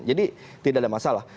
jadi tidak ada masalah